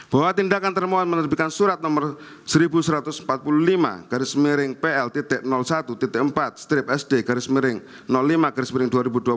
bahwa tindakan termohon menerbitkan surat nomor seribu satu ratus empat puluh lima garis miring pl satu empat strip sd garis miring lima garis miring dua ribu dua puluh